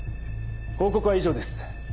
報告は以上です。